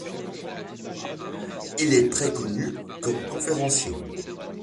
Il est très connu comme conférencier.